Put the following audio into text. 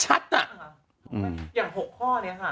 อย่าง๖ข้อนี้ค่ะ